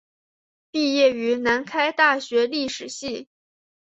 毕业于南开大学历史系。